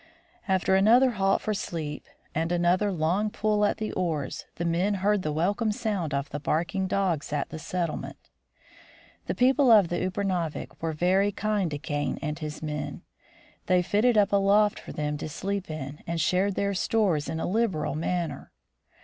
After another halt for sleep, and another HOME AGAIN 57 long pull at the oars, the men heard the welcome sound of barking dogs at the settlement. The people of Upernavik were very kind to Kane and his men. They fitted up a loft for them to sleep in and shared their stores in a liberal manner.